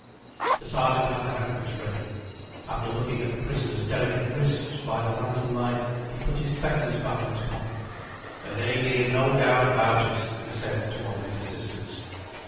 The Sergeant had the handcuffs ready. After looking at the prisoner's delicate wrists by the lantern light, he put his fetters back in his pocket. "A lady and no doubt about it," he said to one of his assistants.